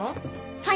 はい！